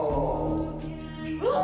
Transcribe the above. うわーっ！